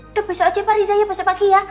udah besok aja pak rizaya besok pagi ya